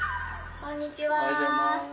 こんにちは。